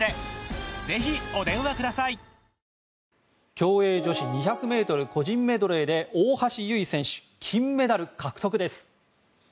競泳女子２００ｍ個人メドレーで大橋悠依選手金メダル獲得です。